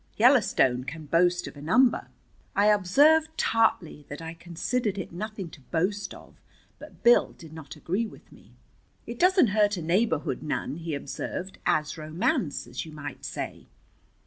Yellowstone can boast of a number." I observed tartly that I considered it nothing to boast of, but Bill did not agree with me. "It doesn't hurt a neighborhood none," he observed. "Adds romance, as you might say."